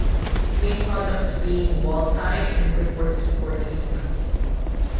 The main products being "Wall Tie", and brickwork support systems.